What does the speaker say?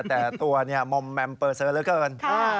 แต่ตัวเนี่ยมอมแมมเปอร์เซอร์เหลือเกิน